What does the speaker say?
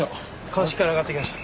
鑑識から上がってきました。